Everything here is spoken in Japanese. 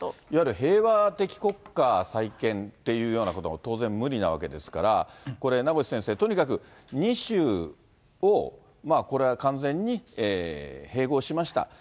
いわゆる平和的国家再建っていうようなことは当然、無理なわけですから、これ名越先生、とにかく２州を、これは完全に併合しました。